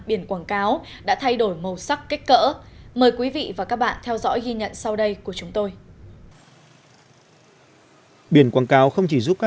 biển quảng cáo đã thay đổi màu sắc kích cỡ